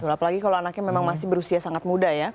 apalagi kalau anaknya memang masih berusia sangat muda ya